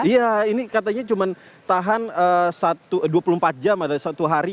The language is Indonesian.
iya ini katanya cuma tahan dua puluh empat jam adalah satu hari